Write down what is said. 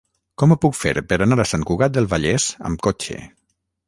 Com ho puc fer per anar a Sant Cugat del Vallès amb cotxe?